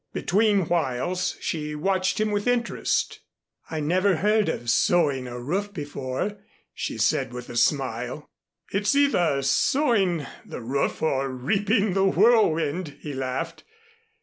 Between whiles she watched him with interest. "I never heard of sewing a roof before," she said with a smile. "It's either sewing the roof or reaping the whirlwind," he laughed.